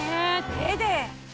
手で。